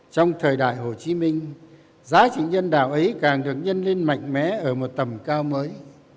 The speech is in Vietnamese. trong thời đại hồ chí minh giá trị nhân đạo ấy càng được nhân lên mạnh mẽ ở một tầm cao mới